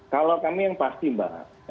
kalau kami yang pasti mbak